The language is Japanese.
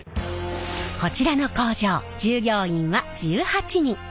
こちらの工場従業員は１８人。